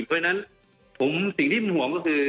เพราะฉะนั้นสิ่งที่เป็นห่วงก็คือ